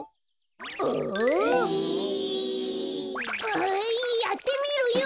あやってみるよ！